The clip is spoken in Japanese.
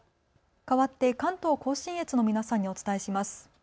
かわって関東甲信越の皆さんにお伝えします。